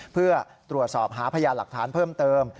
เพื่อตรวจสอบหาพยานหลักฐานเพิ่มเติม